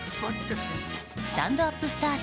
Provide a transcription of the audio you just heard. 「スタンドＵＰスタート」